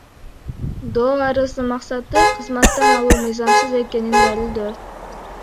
Доо арыздын максаты — кызматтан алуу мыйзамсыз экенин далилдөө.